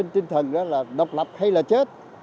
tinh thần đó là độc lập hay là chết